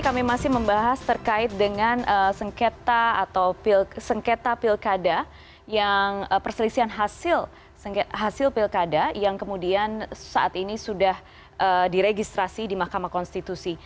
kami masih membahas terkait dengan sengketa atau sengketa pilkada yang perselisihan hasil pilkada yang kemudian saat ini sudah diregistrasi di mahkamah konstitusi